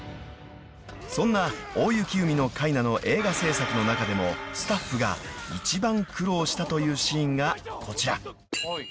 ［そんな『大雪海のカイナ』の映画制作の中でもスタッフが一番苦労したというシーンがこちら］